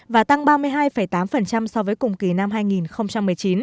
và tăng ba mươi hai tám so với cùng kỳ năm hai nghìn một mươi chín